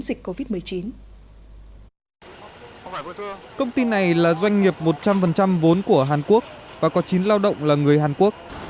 dịch covid một mươi chín công ty này là doanh nghiệp một trăm linh vốn của hàn quốc và có chín lao động là người hàn quốc